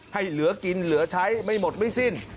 ให้เหลือกินเหลือใช้ไม่หมดไม่สิ้น